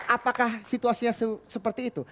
apakah situasinya seperti itu